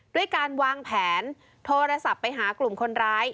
ด้วยการวางแผนโทรศัพท์ไปหากลุ่มคนร้าย